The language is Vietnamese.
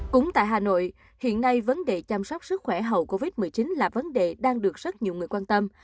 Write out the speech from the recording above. cũng tại hà nội hiện nay vấn đề chăm sóc sức khỏe hậu covid một mươi chín là vấn đề đang được rất nhiều người quan tâm